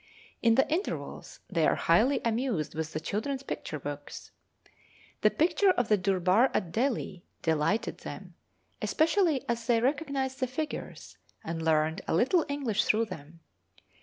In the intervals they are highly amused with the children's picture books. The picture of the durbar at Delhi delighted them, especially as they recognised the figures, and learned a little English through them.